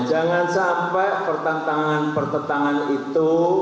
jangan sampai pertentangan pertentangan itu